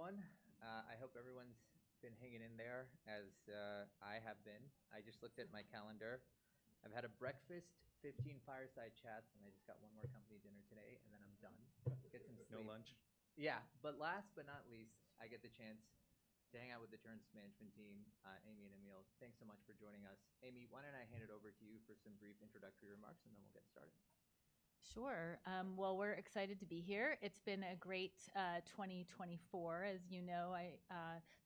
Good, everyone. I hope everyone's been hanging in there as I have been. I just looked at my calendar. I've had a breakfast, 15 fireside chats, and I just got one more company dinner today, and then I'm done. Get some sleep. No lunch. Yeah. But last but not least, I get the chance to hang out with the Terns management team, Amy and Emil. Thanks so much for joining us. Amy, why don't I hand it over to you for some brief introductory remarks, and then we'll get started. Sure. Well, we're excited to be here. It's been a great 2024. As you know, I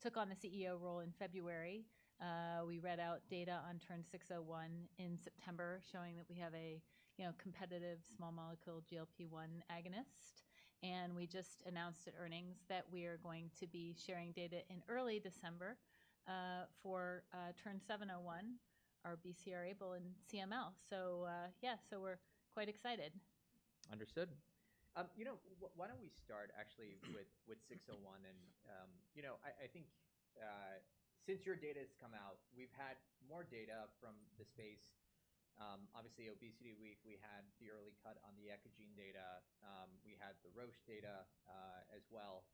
took on the CEO role in February. We read out data on TERN-601 in September showing that we have a, you know, competitive small molecule GLP-1 agonist. And we just announced at earnings that we are going to be sharing data in early December, for TERN-701, our BCR-ABL and CML. So, yeah, so we're quite excited. Understood. You know, why don't we start actually with 601 and, you know, I think, since your data's come out, we've had more data from the space. Obviously, Obesity Week, we had the early cut on the Eccogene data. We had the Roche data, as well,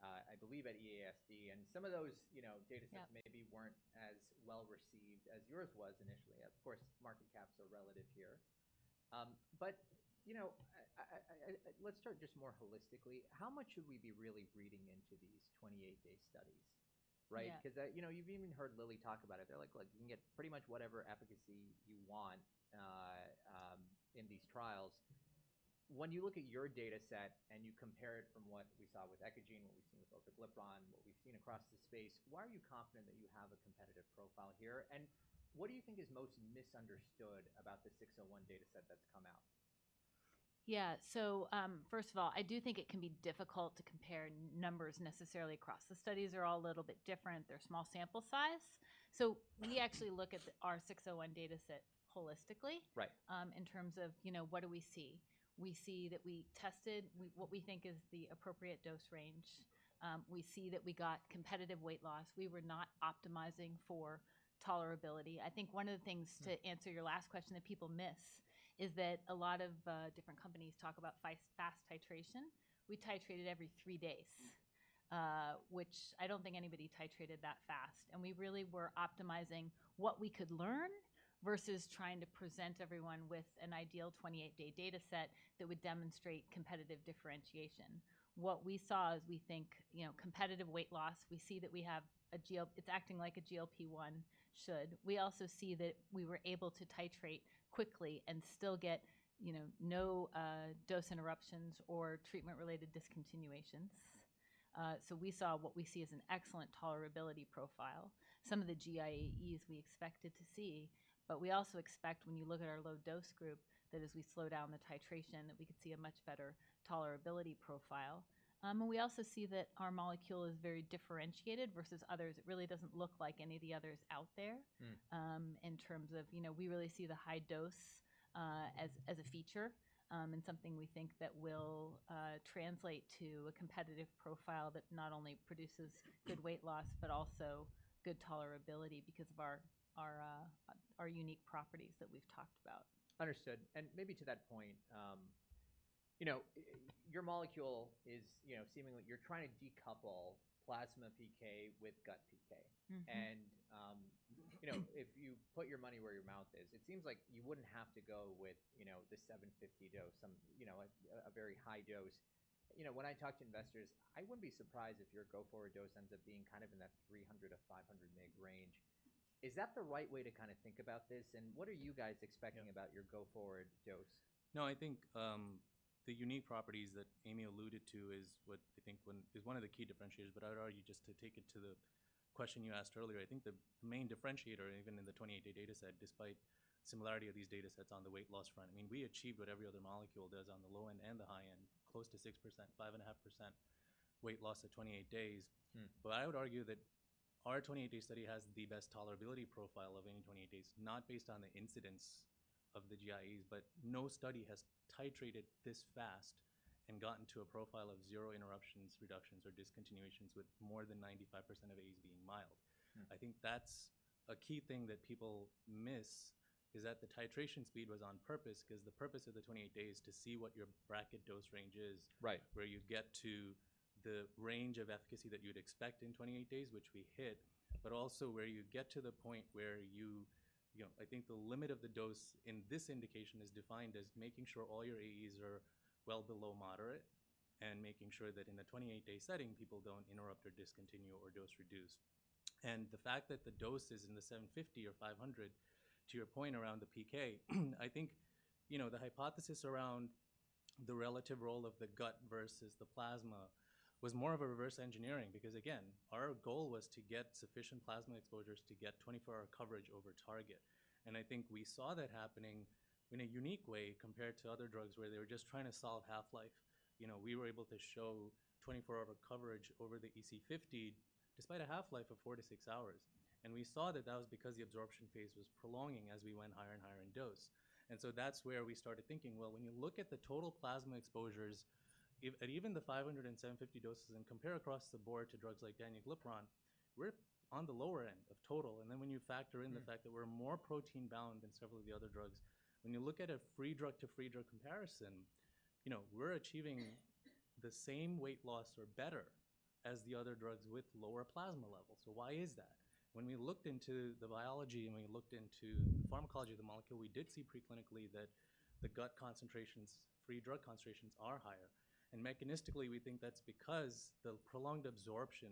I believe at EASD. Some of those, you know, data sets maybe weren't as well received as yours was initially. Of course, market caps are relative here. But, you know, let's start just more holistically. How much should we be really reading into these 28-day studies, right? Yeah. 'Cause, you know, you've even heard Lilly talk about it. They're like, "Look, you can get pretty much whatever efficacy you want, in these trials." When you look at your data set and you compare it from what we saw with Eccogene, what we've seen with orforglipron, what we've seen across the space, why are you confident that you have a competitive profile here? And what do you think is most misunderstood about the 601 data set that's come out? Yeah, so, first of all, I do think it can be difficult to compare numbers necessarily across the studies. They're all a little bit different. They're small sample size, so we actually look at our 601 data set holistically. Right. In terms of, you know, what do we see? We see that we tested what we think is the appropriate dose range. We see that we got competitive weight loss. We were not optimizing for tolerability. I think one of the things to answer your last question that people miss is that a lot of different companies talk about fast titration. We titrated every three days, which I don't think anybody titrated that fast, and we really were optimizing what we could learn versus trying to present everyone with an ideal 28-day data set that would demonstrate competitive differentiation. What we saw is we think, you know, competitive weight loss, we see that we have a GLP-1; it's acting like a GLP-1 should. We also see that we were able to titrate quickly and still get, you know, no dose interruptions or treatment-related discontinuations. So we saw what we see as an excellent tolerability profile. Some of the GIAEs we expected to see. But we also expect when you look at our low-dose group that as we slow down the titration, that we could see a much better tolerability profile. And we also see that our molecule is very differentiated versus others. It really doesn't look like any of the others out there. In terms of, you know, we really see the high dose as a feature, and something we think that will translate to a competitive profile that not only produces good weight loss but also good tolerability because of our unique properties that we've talked about. Understood. And maybe to that point, you know, your molecule is, you know, seemingly you're trying to decouple plasma PK with gut PK. Mm-hmm. You know, if you put your money where your mouth is, it seems like you wouldn't have to go with, you know, the 750 dose, you know, a very high dose. You know, when I talk to investors, I wouldn't be surprised if your go-forward dose ends up being kind of in that 300-500 mg range. Is that the right way to kind of think about this? What are you guys expecting about your go-forward dose? No, I think the unique properties that Amy alluded to is what I think is one of the key differentiators. But I would argue just to take it to the question you asked earlier, I think the main differentiator, even in the 28-day data set, despite similarity of these data sets on the weight loss front, I mean, we achieved what every other molecule does on the low end and the high end, close to 6%, 5.5% weight loss at 28 days. But I would argue that our 28-day study has the best tolerability profile of any 28 days, not based on the incidence of the GIAEs, but no study has titrated this fast and gotten to a profile of zero interruptions, reductions, or discontinuations with more than 95% of AEs being mild. I think that's a key thing that people miss is that the titration speed was on purpose 'cause the purpose of the 28 days is to see what your bracket dose range is. Right. Where you get to the range of efficacy that you'd expect in 28 days, which we hit, but also where you get to the point where you, you know, I think the limit of the dose in this indication is defined as making sure all your AEs are well below moderate and making sure that in a 28-day setting, people don't interrupt or discontinue or dose reduce. And the fact that the dose is in the 750 or 500, to your point around the PK, I think, you know, the hypothesis around the relative role of the gut versus the plasma was more of a reverse engineering because, again, our goal was to get sufficient plasma exposures to get 24-hour coverage over target. And I think we saw that happening in a unique way compared to other drugs where they were just trying to solve half-life. You know, we were able to show 24-hour coverage over the EC50 despite a half-life of four to six hours. And we saw that that was because the absorption phase was prolonging as we went higher and higher in dose. And so that's where we started thinking, well, when you look at the total plasma exposures at even the 500 and 750 doses and compare across the board to drugs like danuglipron, we're on the lower end of total. And then when you factor in the fact that we're more protein-bound than several of the other drugs, when you look at a free drug-to-free drug comparison, you know, we're achieving the same weight loss or better as the other drugs with lower plasma levels. So why is that? When we looked into the biology and we looked into the pharmacology of the molecule, we did see preclinically that the gut concentrations, free drug concentrations, are higher, and mechanistically, we think that's because the prolonged absorption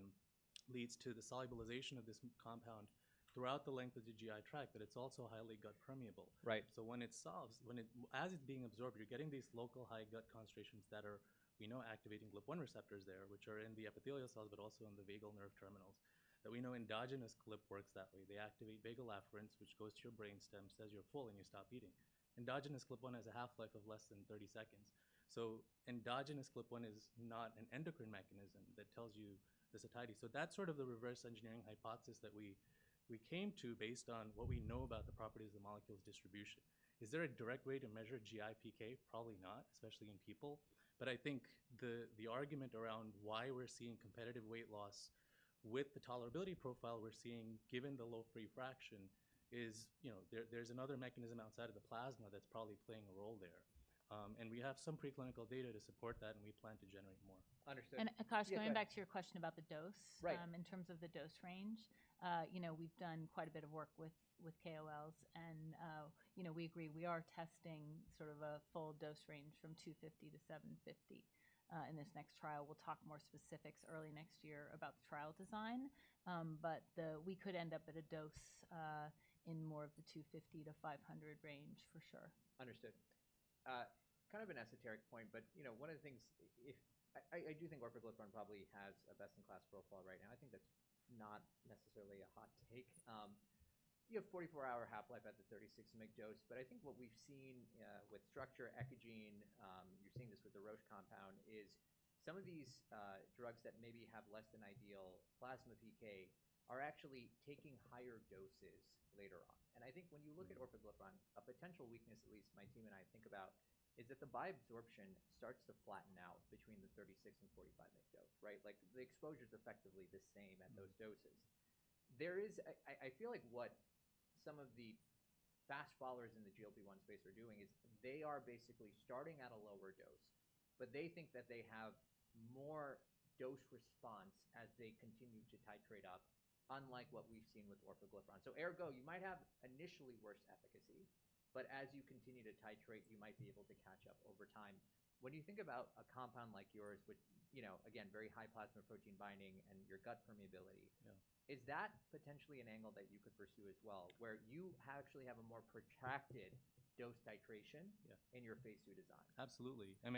leads to the solubilization of this compound throughout the length of the GI tract, but it's also highly gut-permeable. Right. So when it dissolves, when, as it's being absorbed, you're getting these local high gut concentrations that are, we know, activating GLP-1 receptors there, which are in the epithelial cells but also in the vagal nerve terminals, that we know endogenous GLP works that way. They activate vagal afferents, which goes to your brainstem, says you're full, and you stop eating. Endogenous GLP-1 has a half-life of less than 30 seconds. So endogenous GLP-1 is not an endocrine mechanism that tells you the satiety. So that's sort of the reverse engineering hypothesis that we came to based on what we know about the properties of the molecule's distribution. Is there a direct way to measure GI PK? Probably not, especially in people. But I think the argument around why we're seeing competitive weight loss with the tolerability profile we're seeing given the low free fraction is, you know, there's another mechanism outside of the plasma that's probably playing a role there. And we have some preclinical data to support that, and we plan to generate more. Understood. Akash, going back to your question about the dose. Right. In terms of the dose range, you know, we've done quite a bit of work with KOLs. And, you know, we agree we are testing sort of a full dose range from 250 to 750 in this next trial. We'll talk more specifics early next year about the trial design. But we could end up at a dose in more of the 250 to 500 range for sure. Understood. Kind of an esoteric point, but, you know, one of the things if I do think orforglipron probably has a best-in-class profile right now. I think that's not necessarily a hot take. You have 44-hour half-life at the 36-mg dose. But I think what we've seen, with Structure, Eccogene, you're seeing this with the Roche compound, is some of these drugs that maybe have less than ideal plasma PK are actually taking higher doses later on. And I think when you look at orforglipron, a potential weakness, at least my team and I think about, is that the bioavailability starts to flatten out between the 36- and 45-mg dose, right? Like, the exposure's effectively the same at those doses. I feel like what some of the fast followers in the GLP-1 space are doing is they are basically starting at a lower dose, but they think that they have more dose response as they continue to titrate up, unlike what we've seen with orforglipron. So, Ergo, you might have initially worse efficacy, but as you continue to titrate, you might be able to catch up over time. When you think about a compound like yours, which, you know, again, very high plasma protein binding and your gut permeability. Yeah. Is that potentially an angle that you could pursue as well where you actually have a more protracted dose titration? Yeah. In your phase II design? Absolutely. I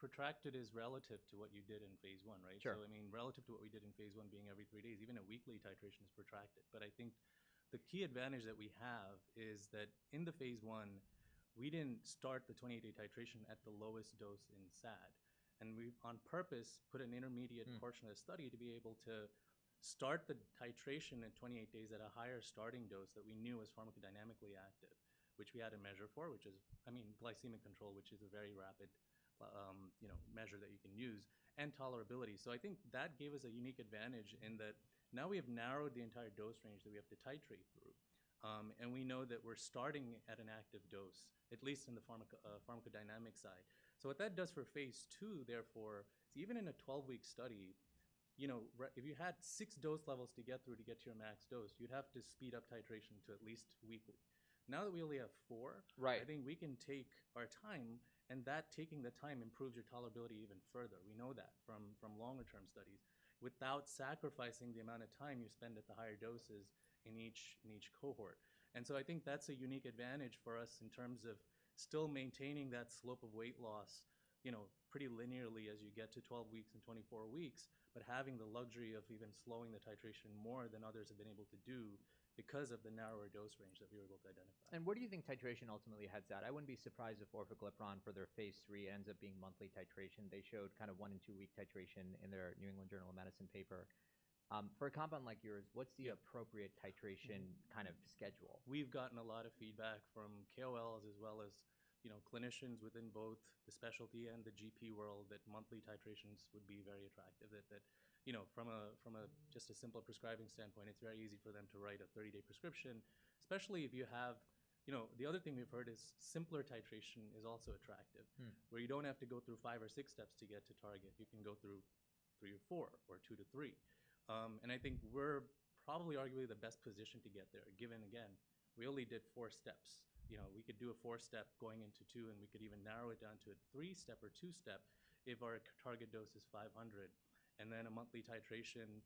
mean, protracted is relative to what you did in phase I, right? Sure. So, I mean, relative to what we did in phase I being every three days, even a weekly titration is protracted. But I think the key advantage that we have is that in the phase I, we didn't start the 28-day titration at the lowest dose in SAD. And we on purpose put an intermediate portion of the study to be able to start the titration at 28 days at a higher starting dose that we knew was pharmacodynamically active, which we had a measure for, which is, I mean, glycemic control, which is a very rapid, you know, measure that you can use, and tolerability. So I think that gave us a unique advantage in that now we have narrowed the entire dose range that we have to titrate through, and we know that we're starting at an active dose, at least in the pharmacodynamic side. So what that does for phase II, therefore, even in a 12-week study, you know, if you had six dose levels to get through to get to your max dose, you'd have to speed up titration to at least weekly. Now that we only have four. Right. I think we can take our time, and that taking the time improves your tolerability even further. We know that from longer-term studies without sacrificing the amount of time you spend at the higher doses in each cohort. And so I think that's a unique advantage for us in terms of still maintaining that slope of weight loss, you know, pretty linearly as you get to 12 weeks and 24 weeks, but having the luxury of even slowing the titration more than others have been able to do because of the narrower dose range that we were able to identify. Where do you think titration ultimately heads at? I wouldn't be surprised if orforglipron for their phase III ends up being monthly titration. They showed kind of one and two-week titration in their New England Journal of Medicine paper. For a compound like yours, what's the appropriate titration kind of schedule? We've gotten a lot of feedback from KOLs as well as, you know, clinicians within both the specialty and the GP world that monthly titrations would be very attractive, that you know, from a just a simple prescribing standpoint, it's very easy for them to write a 30-day prescription, especially if you have, you know, the other thing we've heard is simpler titration is also attractive. Where you don't have to go through five or six steps to get to target. You can go through three or four or two to three. And I think we're probably arguably the best position to get there given, again, we only did four steps. You know, we could do a four-step going into two, and we could even narrow it down to a three-step or two-step if our target dose is 500. And then a monthly titration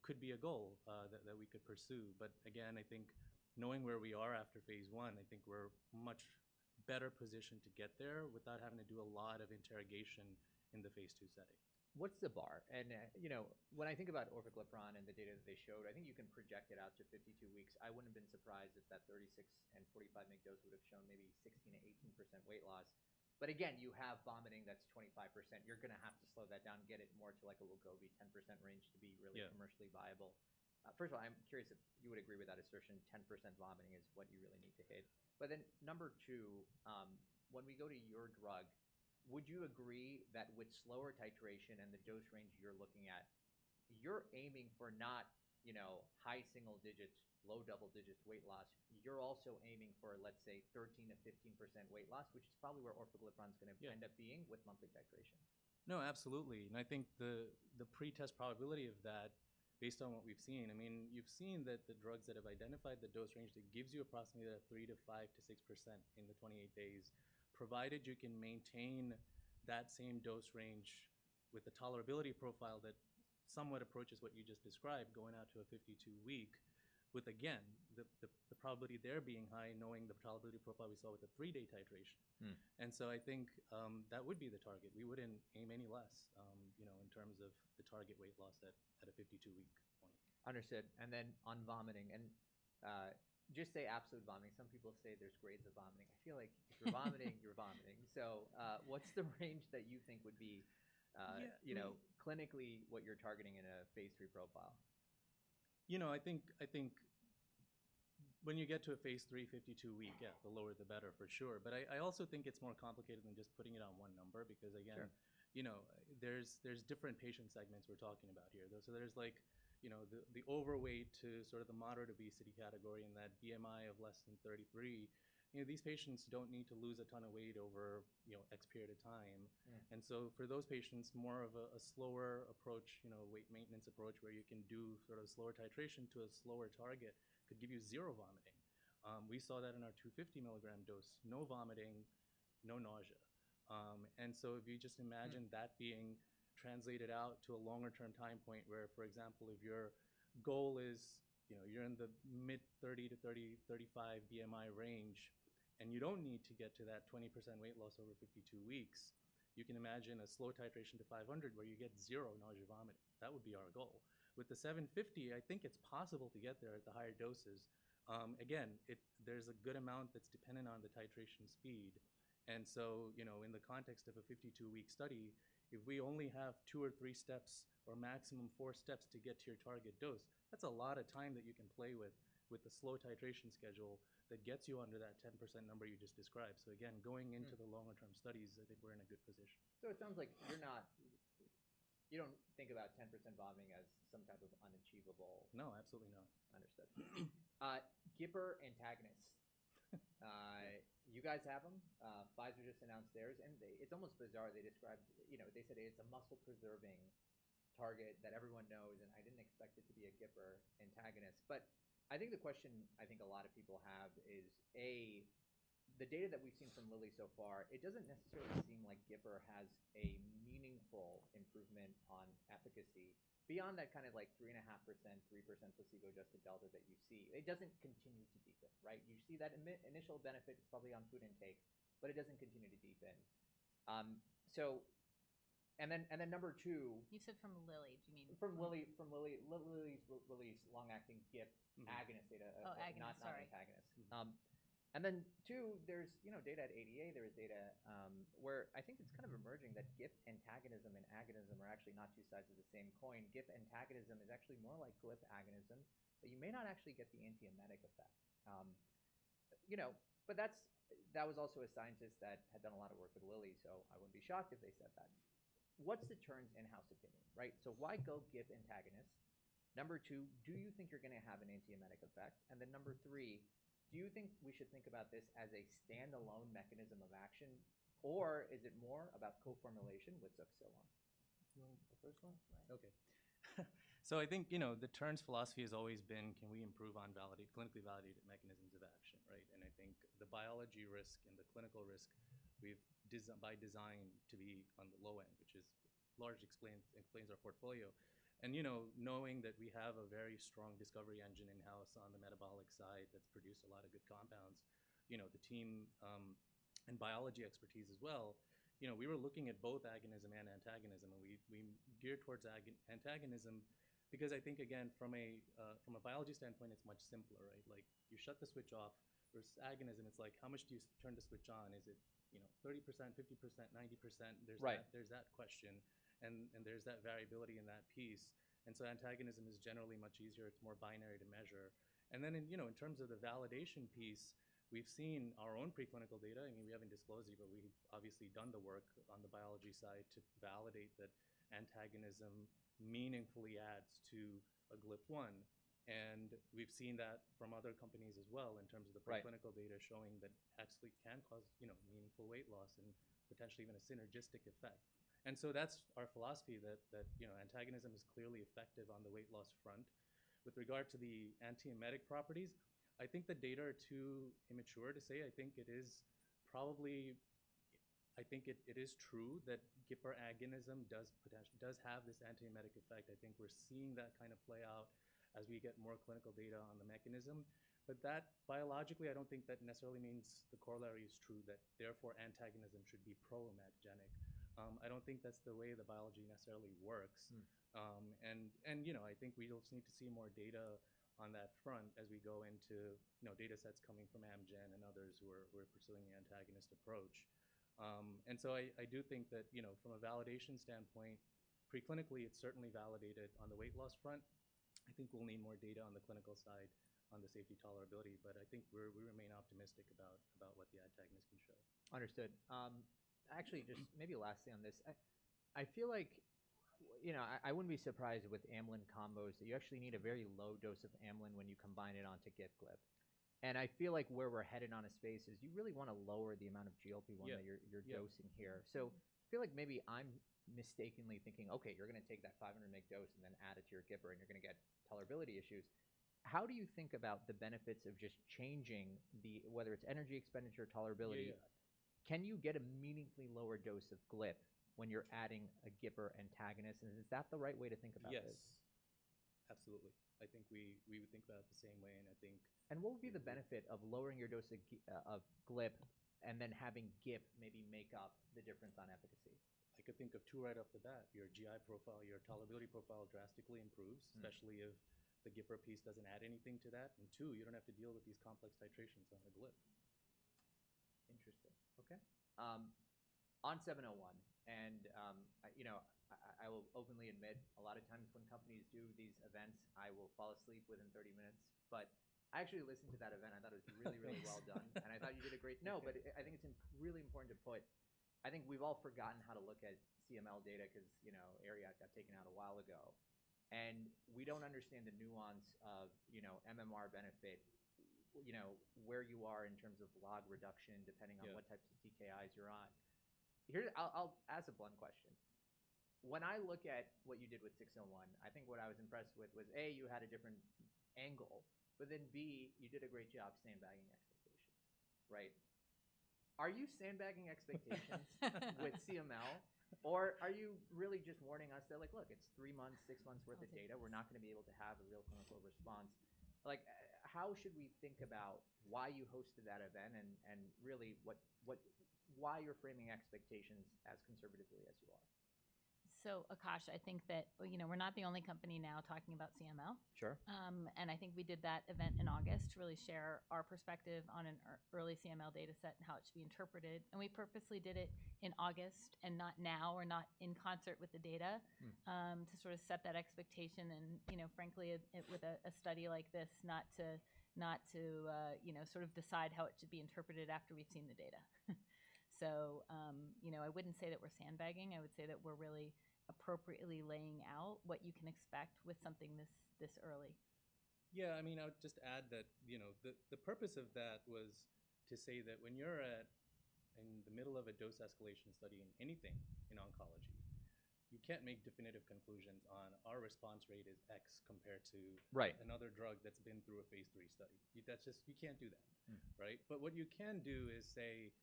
could be a goal that we could pursue. But again, I think knowing where we are after phase I, I think we're much better positioned to get there without having to do a lot of interrogation in the phase II setting. What's the bar? And, you know, when I think about orforglipron and the data that they showed, I think you can project it out to 52 weeks. I wouldn't have been surprised if that 36- and 45-mg dose would have shown maybe 16%-18% weight loss. But again, you have vomiting that's 25%. You're gonna have to slow that down, get it more to like a Wegovy 10% range to be really commercially viable. Yeah. First of all, I'm curious if you would agree with that assertion, 10% vomiting is what you really need to hit. But then number two, when we go to your drug, would you agree that with slower titration and the dose range you're looking at, you're aiming for not, you know, high single-digit, low double-digit weight loss? You're also aiming for, let's say, 13%-15% weight loss, which is probably where orforglipron's gonna. Yeah. End up being with monthly titration? No, absolutely. And I think the pretest probability of that, based on what we've seen, I mean, you've seen that the drugs that have identified the dose range that gives you approximately that 3%-5% to 6% in the 28 days, provided you can maintain that same dose range with the tolerability profile that somewhat approaches what you just described, going out to a 52-week with, again, the probability there being high, knowing the tolerability profile we saw with the three-day titration. And so I think that would be the target. We wouldn't aim any less, you know, in terms of the target weight loss at a 52-week point. Understood. Then on vomiting, just say absolute vomiting. Some people say there's grades of vomiting. I feel like if you're vomiting, you're vomiting. What's the range that you think would be, you know, clinically what you're targeting in a phase III profile? You know, I think when you get to a phase III, 52-week, yeah, the lower, the better for sure. But I also think it's more complicated than just putting it on one number because, again. Sure. You know, there's different patient segments we're talking about here, though. So there's like, you know, the overweight to sort of the moderate obesity category and that BMI of less than 33. You know, these patients don't need to lose a ton of weight over, you know, X period of time. And so for those patients, more of a slower approach, you know, weight maintenance approach where you can do sort of slower titration to a slower target could give you zero vomiting. We saw that in our 250-milligram dose, no vomiting, no nausea. And so if you just imagine that being translated out to a longer-term time point where, for example, if your goal is, you know, you're in the mid-30 to 30-35 BMI range and you don't need to get to that 20% weight loss over 52 weeks, you can imagine a slow titration to 500 where you get zero nausea, vomiting. That would be our goal. With the 750, I think it's possible to get there at the higher doses. Again, it's, there's a good amount that's dependent on the titration speed. And so, you know, in the context of a 52-week study, if we only have two or three steps or maximum four steps to get to your target dose, that's a lot of time that you can play with, with the slow titration schedule that gets you under that 10% number you just described. So again, going into the longer-term studies, I think we're in a good position. So it sounds like you don't think about 10% vomiting as some type of unachievable. No, absolutely not. Understood. GIPR antagonists. You guys have them. Pfizer just announced theirs, and they it's almost bizarre. They described, you know, they said it's a muscle-preserving target that everyone knows, and I didn't expect it to be a GIPR antagonist. But I think the question a lot of people have is, A, the data that we've seen from Lilly so far, it doesn't necessarily seem like GIPR has a meaningful improvement on efficacy beyond that kind of like 3.5%, 3% placebo-adjusted delta that you see. It doesn't continue to deepen, right? You see that initial benefit is probably on food intake, but it doesn't continue to deepen. So and then number two. You said from Lilly. Do you mean? From Lilly. Lilly's release long-acting GIP agonist data. Oh, agonist, sorry. Not antagonist, and then two, there's you know data at ADA. There is data where I think it's kind of emerging that GIP antagonism and agonism are actually not two sides of the same coin. GIP antagonism is actually more like GLP agonism, but you may not actually get the antiemetic effect. You know, but that was also a scientist that had done a lot of work with Lilly, so I wouldn't be shocked if they said that. What's the Terns in-house opinion, right? So why go GIP antagonist? Number two, do you think you're gonna have an antiemetic effect? And then number three, do you think we should think about this as a standalone mechanism of action, or is it more about co-formulation with semaglutide? You want to go first one? Right. Okay. So I think, you know, the Terns philosophy has always been, can we improve on validated, clinically validated mechanisms of action, right? And I think the biology risk and the clinical risk we've designed by design to be on the low end, which largely explains our portfolio. And, you know, knowing that we have a very strong discovery engine in-house on the metabolic side that's produced a lot of good compounds, you know, the team, and biology expertise as well, you know, we were looking at both agonism and antagonism, and we geared towards agonism and antagonism because I think, again, from a biology standpoint, it's much simpler, right? Like you shut the switch off versus agonism, it's like, how much do you turn the switch on? Is it, you know, 30%, 50%, 90%? There's. Right. There's that question, and, and there's that variability in that piece. And so antagonism is generally much easier. It's more binary to measure. And then, you know, in terms of the validation piece, we've seen our own preclinical data. I mean, we haven't disclosed it, but we've obviously done the work on the biology side to validate that antagonism meaningfully adds to a GLP-1. And we've seen that from other companies as well in terms of the. Right. Preclinical data showing that actually can cause, you know, meaningful weight loss and potentially even a synergistic effect. And so that's our philosophy that you know antagonism is clearly effective on the weight loss front. With regard to the antiemetic properties, I think the data are too immature to say. I think it is probably true that GIPR agonism does potentially have this antiemetic effect. I think we're seeing that kind of play out as we get more clinical data on the mechanism. But that biologically, I don't think that necessarily means the corollary is true that therefore antagonism should be pro-emetogenic. I don't think that's the way the biology necessarily works. You know, I think we just need to see more data on that front as we go into, you know, data sets coming from Amgen and others who are pursuing the antagonist approach, and so I do think that, you know, from a validation standpoint, preclinically, it's certainly validated on the weight loss front. I think we'll need more data on the clinical side on the safety tolerability, but I think we remain optimistic about what the antagonist can show. Understood. Actually, just maybe lastly on this, I feel like, you know, I wouldn't be surprised with amylin combos that you actually need a very low dose of amylin when you combine it onto GIP/GLP. And I feel like where we're headed in the space is you really wanna lower the amount of GLP-1. Yeah. That you're dosing here. So I feel like maybe I'm mistakenly thinking, okay, you're gonna take that 500-mg dose and then add it to your GIPR, and you're gonna get tolerability issues. How do you think about the benefits of just changing the, whether it's energy expenditure tolerability? Yeah. Can you get a meaningfully lower dose of GLP when you're adding a GIPR antagonist? And is that the right way to think about this? Yes. Absolutely. I think we would think about it the same way, and I think. What would be the benefit of lowering your dose of GIP, of GLP and then having GIP maybe make up the difference on efficacy? I could think of two right off the bat. Your GI profile, your tolerability profile drastically improves. Especially if the GIPR piece doesn't add anything to that. And two, you don't have to deal with these complex titrations on the GLP. Interesting. Okay. On 701, and you know, I will openly admit a lot of times when companies do these events, I will fall asleep within 30 minutes, but I actually listened to that event. I thought it was really, really well done. Oh, good. I thought you did a great job. No, but I think it's really important to put, I think we've all forgotten how to look at CML data 'cause, you know, Ariad got taken out a while ago. We don't understand the nuance of, you know, MMR benefit, you know, where you are in terms of log reduction depending on. Yeah. What types of TKIs you're on. Here, I'll ask a blunt question. When I look at what you did with 601, I think what I was impressed with was, A, you had a different angle, but then B, you did a great job sandbagging expectations, right? Are you sandbagging expectations with CML, or are you really just warning us that, like, look, it's three months, six months' worth of data. Yeah. We're not gonna be able to have a real clinical response? Like, how should we think about why you hosted that event and really what why you're framing expectations as conservatively as you are? So Akash, I think that, you know, we're not the only company now talking about CML. Sure. And I think we did that event in August to really share our perspective on an early CML data set and how it should be interpreted. And we purposely did it in August and not now or not in concert with the data to sort of set that expectation and, you know, frankly, it with a study like this, not to you know sort of decide how it should be interpreted after we've seen the data. So, you know, I wouldn't say that we're sandbagging. I would say that we're really appropriately laying out what you can expect with something this early. Yeah. I mean, I would just add that, you know, the purpose of that was to say that when you're in the middle of a dose escalation study in anything in oncology, you can't make definitive conclusions on our response rate is X compared to. Right. Another drug that's been through a phase III study. That's just you can't do that. Right? But what you can do is say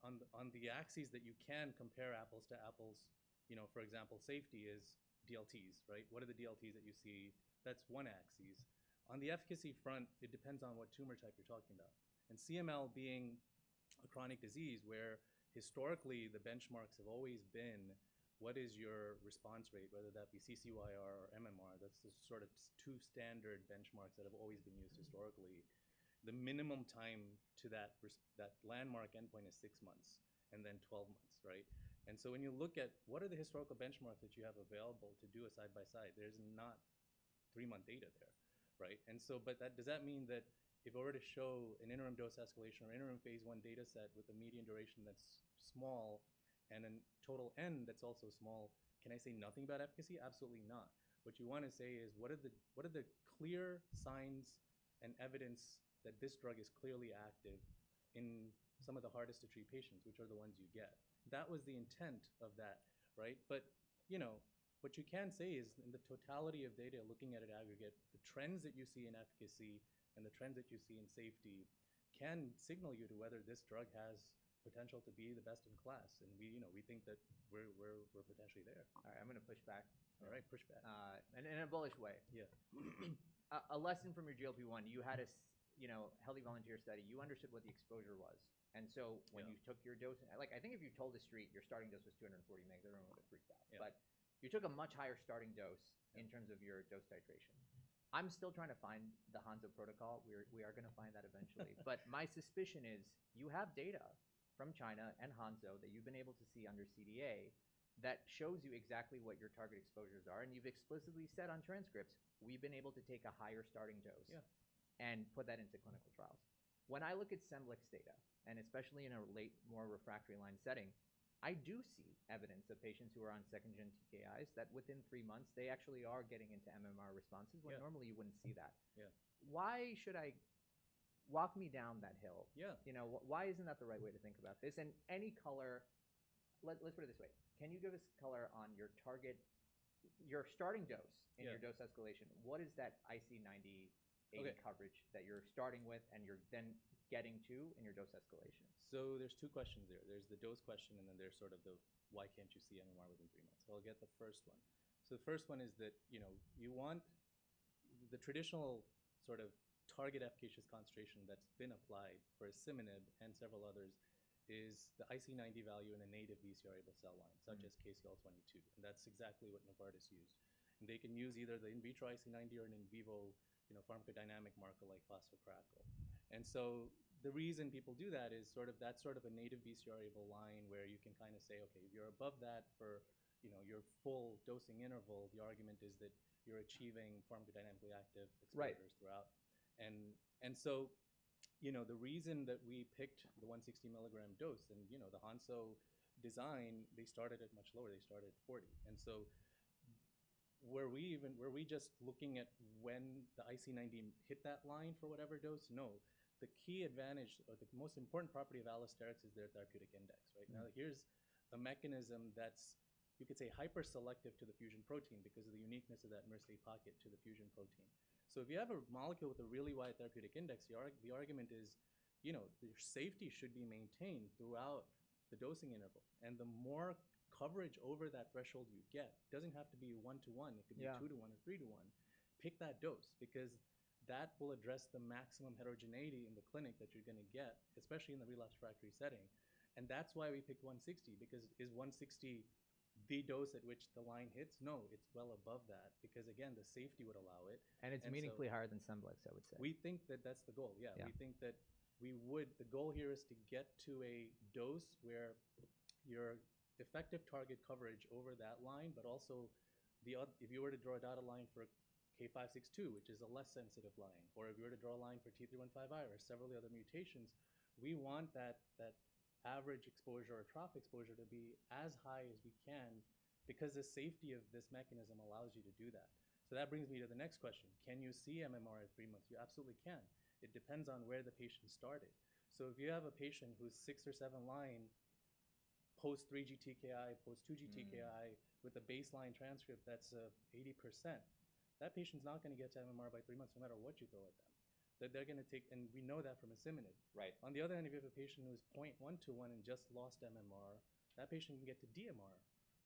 on the, on the axes that you can compare apples to apples, you know, for example, safety is DLTs, right? What are the DLTs that you see? That's one axis. On the efficacy front, it depends on what tumor type you're talking about. And CML being a chronic disease where historically the benchmarks have always been what is your response rate, whether that be CCyR or MMR, that's the sort of two standard benchmarks that have always been used historically. The minimum time to that risk, that landmark endpoint is six months and then 12 months, right? And so when you look at what are the historical benchmarks that you have available to do a side-by-side, there's not three-month data there, right? Does that mean that if I were to show an interim dose escalation or interim phase I data set with a median duration that's small and a total end that's also small, can I say nothing about efficacy? Absolutely not. What you wanna say is what are the clear signs and evidence that this drug is clearly active in some of the hardest-to-treat patients, which are the ones you get? That was the intent of that, right? But, you know, what you can say is in the totality of data, looking at it aggregate, the trends that you see in efficacy and the trends that you see in safety can signal you to whether this drug has potential to be the best in class. And we, you know, we think that we're potentially there. All right. I'm gonna push back. All right. Push back. and in a bullish way. Yeah. A lesson from your GLP-1, you had, you know, healthy volunteer study. You understood what the exposure was. And so. Yeah. When you took your dose, like, I think if you told the street your starting dose was 240 mg, everyone would've freaked out. Yeah. But you took a much higher starting dose. Yeah. In terms of your dose titration. I'm still trying to find the Hansoh protocol. We are gonna find that eventually. But my suspicion is you have data from China and Hansoh that you've been able to see under CDA that shows you exactly what your target exposures are. And you've explicitly said on transcripts, we've been able to take a higher starting dose. Yeah. Put that into clinical trials. When I look at Scemblix's data, and especially in a late, more refractory line setting, I do see evidence of patients who are on second-gen TKIs that within three months, they actually are getting into MMR responses. Yeah. When normally you wouldn't see that. Yeah. Why should I walk me down that hill? Yeah. You know, why isn't that the right way to think about this? And any color, let's put it this way. Can you give us color on your target, your starting dose in your dose escalation? Yeah. What is that IC90 coverage that you're starting with and you're then getting to in your dose escalation? There are two questions there. There is the dose question, and then there is sort of the why cannot you see MMR within three months? I will get the first one. The first one is that, you know, you want the traditional sort of target efficacious concentration that has been applied for asciminib and several others is the IC90 value in a native BCR-ABL cell line, such as KCL-22. That is exactly what Novartis used. They can use either the in vitro IC90 or an in vivo, you know, pharmacodynamic marker like phospho-CRKL. The reason people do that is sort of that is sort of a native BCR-ABL line where you can kind of say, okay, if you are above that for, you know, your full dosing interval, the argument is that you are achieving pharmacodynamically active exposures throughout. Right. So, you know, the reason that we picked the 160 milligram dose and, you know, the Hansoh design, they started at much lower. They started at 40. And so were we even, were we just looking at when the IC90 hit that line for whatever dose? No. The key advantage or the most important property of allosterics is their therapeutic index, right? Mm-hmm. Now, here's a mechanism that's, you could say, hyper-selective to the fusion protein because of the uniqueness of that myristoyl-binding pocket to the fusion protein. So if you have a molecule with a really wide therapeutic index, the argument is, you know, the safety should be maintained throughout the dosing interval. And the more coverage over that threshold you get, it doesn't have to be one-to-one. Yeah. It could be two-to-one or three-to-one. Pick that dose because that will address the maximum heterogeneity in the clinic that you're gonna get, especially in the relapse refractory setting, and that's why we picked 160 because is 160 the dose at which the line hits? No, it's well above that because, again, the safety would allow it. It's meaningfully higher than Scemblix's, I would say. We think that that's the goal. Yeah. Yeah. We think that the goal here is to get to a dose where your effective target coverage over that line, but also the other if you were to draw a data line for K562, which is a less sensitive line, or if you were to draw a line for T315I or several other mutations, we want that average exposure or trough exposure to be as high as we can because the safety of this mechanism allows you to do that. So that brings me to the next question. Can you see MMR at three months? You absolutely can. It depends on where the patient started. So if you have a patient who's six or seven line post-3G TKI, post-2G TKI with a baseline transcript that's 80%, that patient's not gonna get to MMR by three months no matter what you throw at them. They're gonna take, and we know that from asciminib. Right. On the other hand, if you have a patient who is 0.121 and just lost MMR, that patient can get to DMR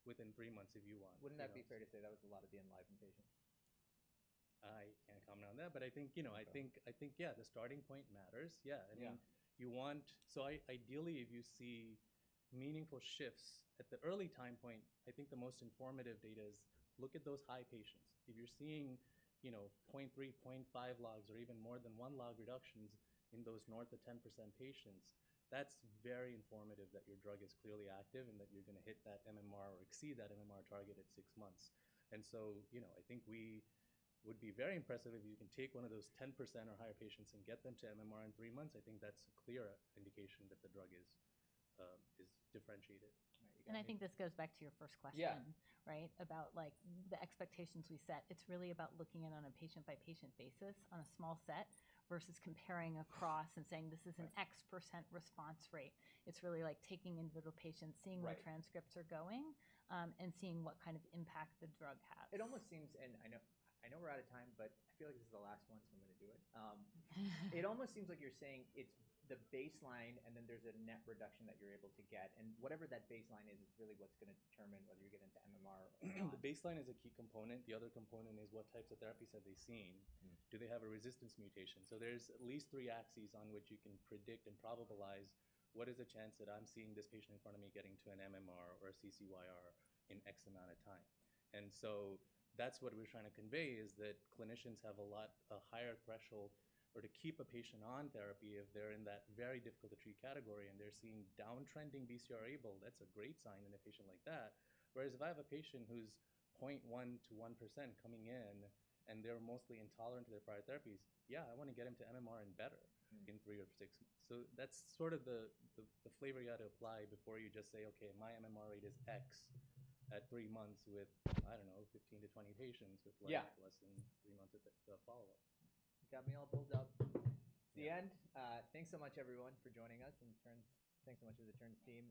within three months if you want. Wouldn't that be fair to say that was a lot of the Enliven patients? I can't comment on that, but I think, you know, yeah, the starting point matters. Yeah. Yeah. I mean, you want so ideally, if you see meaningful shifts at the early time point, I think the most informative data is look at those high patients. If you're seeing, you know, 0.3, 0.5 logs or even more than one log reductions in those north of 10% patients, that's very informative that your drug is clearly active and that you're gonna hit that MMR or exceed that MMR target at six months. And so, you know, I think we would be very impressive if you can take one of those 10% or higher patients and get them to MMR in three months. I think that's a clear indication that the drug is differentiated. Right. I think this goes back to your first question. Yeah. Right? About, like, the expectations we set. It's really about looking at it on a patient-by-patient basis on a small set versus comparing across and saying this is an X% response rate. It's really like taking individual patients, seeing where transcripts are going, and seeing what kind of impact the drug has. It almost seems, and I know, I know we're out of time, but I feel like this is the last one, so I'm gonna do it. It almost seems like you're saying it's the baseline, and then there's a net reduction that you're able to get. And whatever that baseline is, is really what's gonna determine whether you get into MMR or not. The baseline is a key component. The other component is what types of therapies have they seen? Do they have a resistance mutation? There's at least three axes on which you can predict and probableize what is the chance that I'm seeing this patient in front of me getting to an MMR or a CCyR in X amount of time. And so that's what we're trying to convey is that clinicians have a lot, a higher threshold or to keep a patient on therapy if they're in that very difficult-to-treat category and they're seeing downtrending BCR-ABL, that's a great sign in a patient like that. Whereas if I have a patient who's 0.1%-1% coming in and they're mostly intolerant to their prior therapies, yeah, I wanna get them to MMR and better. In three or six months. So that's sort of the flavor you gotta apply before you just say, okay, my MMR rate is X at three months with, I don't know, 15-20 patients with. Yeah. Less than three months at the follow-up. Got me all bowled out. The end. Thanks so much, everyone, for joining us and Terns. Thanks so much to the Terns team.